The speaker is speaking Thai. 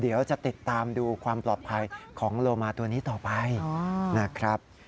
เดี๋ยวจะติดตามดูความปลอดภัยของโลมาตัวนี้ต่อไปนะครับ